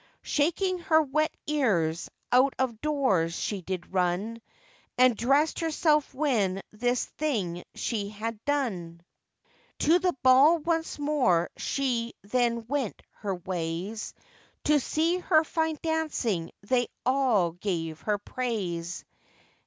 Shaking her wet ears, out of doors she did run, And dressèd herself when this thing she had done. To the ball once more she then went her ways; To see her fine dancing they all gave her praise.